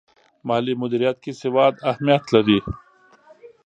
مالي مدیریت کې سواد اهمیت لري.